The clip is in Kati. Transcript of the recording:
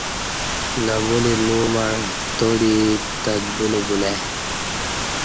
نمولینو مع تادی تدبُلہ بُلہ ای